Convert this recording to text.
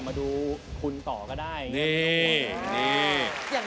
กับพอรู้ดวงชะตาของเขาแล้วนะครับ